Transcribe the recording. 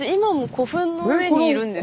古墳の上にいるんですか？